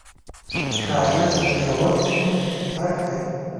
ښایست د ژور سکون څرک دی